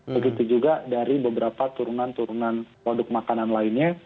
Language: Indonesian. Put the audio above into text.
begitu juga dari beberapa turunan turunan produk makanan lainnya